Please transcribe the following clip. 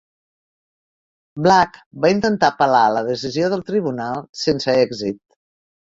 Black va intentar apel·lar la decisió del tribunal sense èxit.